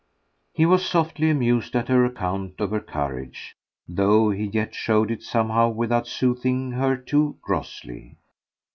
He was softly amused at her account of her courage; though he yet showed it somehow without soothing her too grossly.